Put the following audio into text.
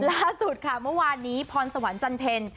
ล่าสุดค่ะเมื่อวานนี้พรสวรรค์จันเพล